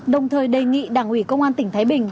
đồng thời đề nghị đảng ủy công an tỉnh thái bình